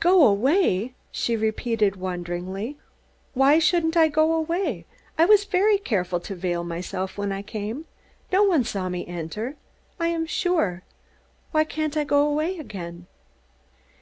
"Go away?" she repeated wonderingly. "Why shouldn't I go away? I was very careful to veil myself when I came no one saw me enter, I am sure. Why can't I go away again?"